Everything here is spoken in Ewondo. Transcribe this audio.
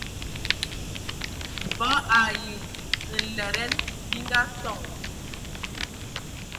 Mvɔ ai nlɛdɛn bi ngatoŋ.